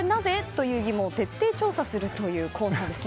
といいう疑問を徹底調査するというコーナーです。